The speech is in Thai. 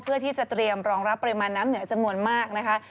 เพื่อที่จะเตรียมรองรับปริมาณน้ำเหนือจำนวนมากนะคะ